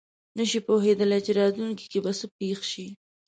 نه شي پوهېدلی چې راتلونکې کې به څه پېښ شي.